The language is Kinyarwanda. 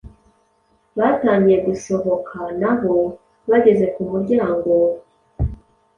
batangiye gusohoka na bo bageze ku muryango,